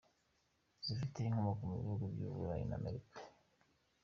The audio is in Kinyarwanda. Zifite inkomoko mu bihugu by’Uburayi n’Amerika.